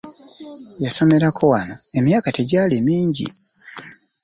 Yasomerako wano emyaka tegyali mingi.